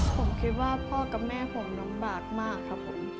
ผมคิดว่าพ่อกับแม่ผมลำบากมากครับผม